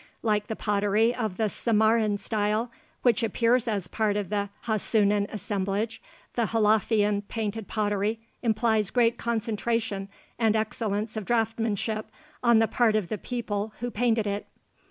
Like the pottery of the Samarran style, which appears as part of the Hassunan assemblage (see p. 131), the Halafian painted pottery implies great concentration and excellence of draftsmanship on the part of the people who painted it.